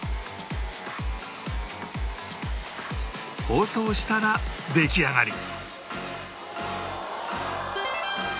包装したら出来上がり